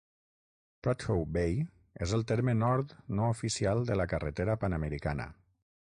Prudhoe Bay és el terme nord no oficial de la carretera panamericana.